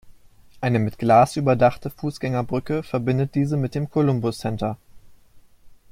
Eine mit Glas überdachte Fußgängerbrücke verbindet diese mit dem Columbus-Center.